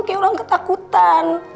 kayak orang ketakutan